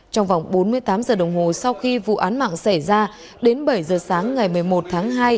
trong vòng bốn mươi tám giờ đồng hồ sau khi vụ án mạng xảy ra đến bảy giờ sáng ngày một mươi một tháng hai